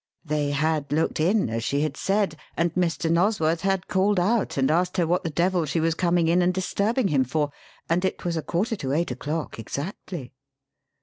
They had looked in as she had said; and Mr. Nosworth had called out and asked her what the devil she was coming in and disturbing him for, and it was a quarter to eight o'clock exactly.